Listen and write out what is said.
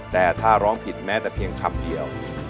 แต่ถ้าร้องผิดแม้แต่เพียงคำเดียว